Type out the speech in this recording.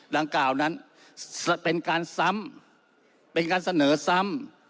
ดังกล่าวนั้นเป็นการเสนอซ้ำ